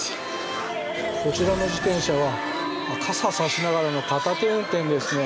こちらの自転車は傘差しながらの片手運転ですね。